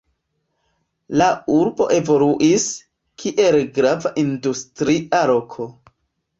La urbo evoluis, kiel grava industria loko.